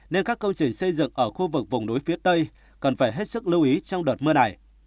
nên các công trình xây dựng ở khu vực vùng núi phía tây cần phải hết sức lưu ý trong đợt mưa này